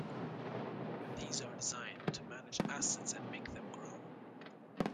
These are designed to manage assets and make them grow.